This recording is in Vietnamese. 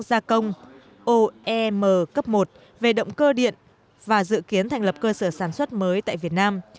gia công oem cấp một về động cơ điện và dự kiến thành lập cơ sở sản xuất mới tại việt nam